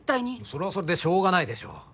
それはそれでしょうがないでしょう。